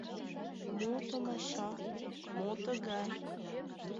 «Мо томаша, мо тыгай?